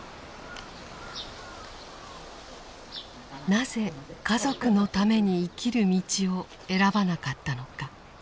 なぜ家族のために生きる道を選ばなかったのか。